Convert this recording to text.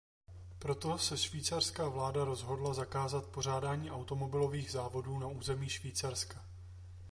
Proto se švýcarská vláda rozhodla zakázat pořádání automobilových závodů na území Švýcarska.